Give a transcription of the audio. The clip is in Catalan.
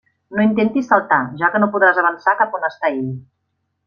No intentis saltar, ja que no podràs avançar cap a on està ell.